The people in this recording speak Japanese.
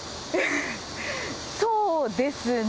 そうですね。